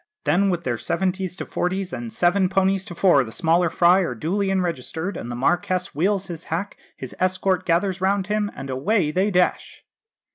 Then, with their seventies to forties, and seven ponies to four, the smaller fry are duly enregistered, and the Marquess wheels his hack, his escort gathers round him, and away they dash."